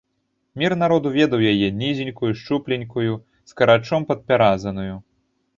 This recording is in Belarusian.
Мір народу ведаў яе, нізенькую, шчупленькую, скарачом падпяразаную.